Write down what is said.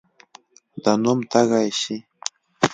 د نوم تږی شي.